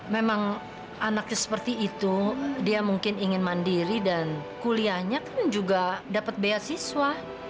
memang anaknya seperti itu dia mungkin ingin mandiri dan kuliahnya kan juga dapat beasiswa